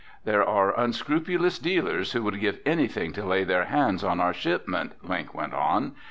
"There are unscrupulous dealers who would give anything to lay their hands on our shipment," Link went on.